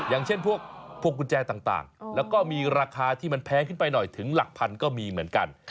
อย่างเช่นพวกพวงกุญแจต่างแล้วก็มีราคาที่มันแพงขึ้นไปหน่อยถึงหลักพันก็มีเหมือนกัน